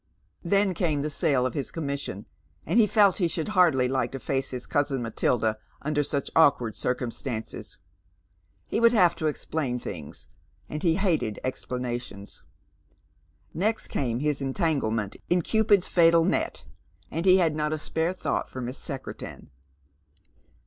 Then came the sale of h's commission, and he felt he should hardly like to face hia cousin Matilda under such awkward circumstances. He would Save to explain things, and he hated explanations. Next came lis entanglement in Cupid's fatal net, and he had not a spare .bought for Miss Secretan.